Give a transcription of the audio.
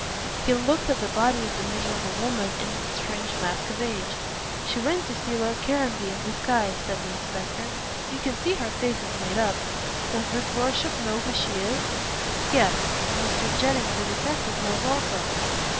He looked at the body of the miserable woman in its strange mask of age. "She went to see Lord Caranby in disguise," said the inspector, "you can see her face is made up. Does his lordship know who she is?" "Yes. And Mr. Jennings, the detective, knows also."